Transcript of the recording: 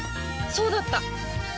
そうだった！